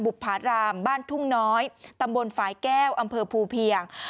บุภารามบ้านทุ่งน้อยตำบลฝ่ายแก้วอำเภอภูเพียง